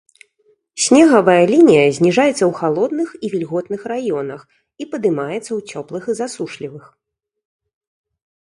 Снегавая лінія зніжаецца ў халодных і вільготных раёнах і падымаецца ў цёплых і засушлівых.